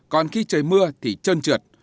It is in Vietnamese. còn khi trời mưa thì trơn trượt